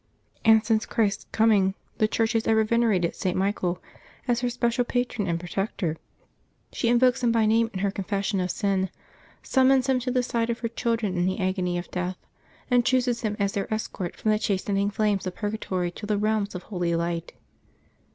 And since Chrisf s coming the Church has ever venerated St. Michael as her special patron and protector. She invokes him by name in her confession of sin, summons him to the side of her chil dren in the agony of death, and chooses him as their escort from the chastening flames of purgatory to the realms of holy light.